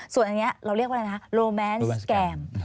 ส่วนอันนี้เราเรียกว่าอะไรนะโลแมนสแกม